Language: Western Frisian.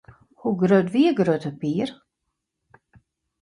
Hoe grut wie Grutte Pier?